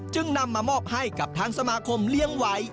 จึงนำมามอบให้กับทางสมาคมเลี้ยงไว้